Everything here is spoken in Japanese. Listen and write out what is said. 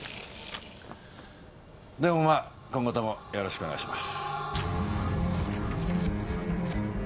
でもまあ今後ともよろしくお願いします。